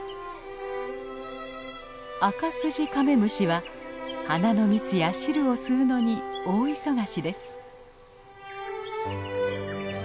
アカスジカメムシは花の蜜や汁を吸うのに大忙しです。